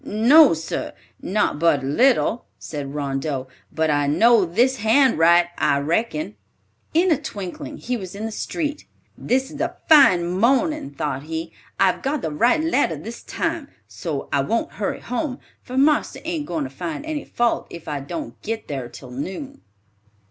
"No, sir, not but a little," said Rondeau; "but I know this hand write, I reckon." In a twinkling, he was in the street. "This is a fine morning," thought he. "I've got the right letter this time, so I won't hurry home, for marster ain't goin' to find any fault if I don't git thar till noon."